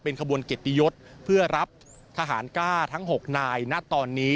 ขบวนเกียรติยศเพื่อรับทหารกล้าทั้ง๖นายณตอนนี้